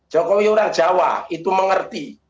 jokowi orang jawa itu mengerti